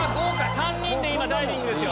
３人で今ダイビングですよ。